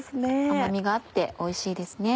甘みがあっておいしいですね。